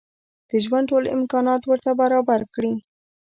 د ژوند ټول امکانات ورته برابر کړي.